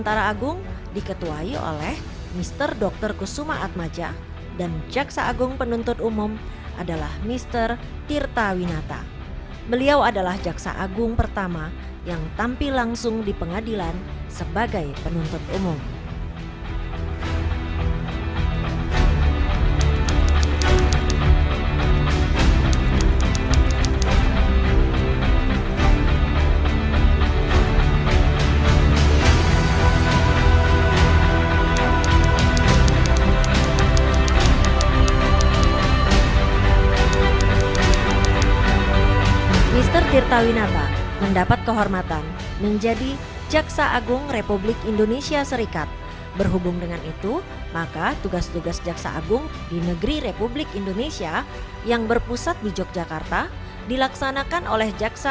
tugas tugas jaksa agung di negeri republik indonesia yang berpusat di yogyakarta dilaksanakan oleh jaksa